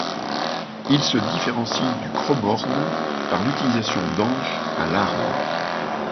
Il se différencie du cromorne par l'utilisation d'anches à larmes.